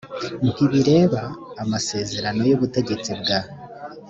ntibireba amasezerano y ubutegetsi bwa